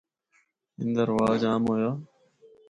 ان دا رواج عام ہویا۔